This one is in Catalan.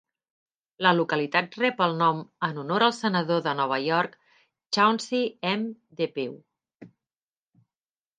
La localitat rep el nom en honor al senador de Nova York, Chauncy M. Depew.